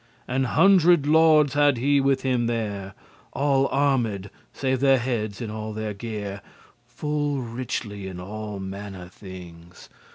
An hundred lordes had he with him there, All armed, save their heads, in all their gear, Full richely in alle manner things.